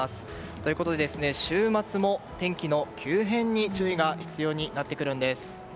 ということで週末も天気の急変に注意が必要になってくるんです。